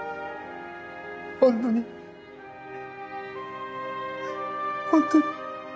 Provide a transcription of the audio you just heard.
本当に本当に。